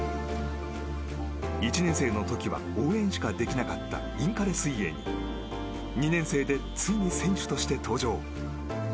１年生の時は応援しかできなかったインカレ水泳に２年生でついに選手として登場。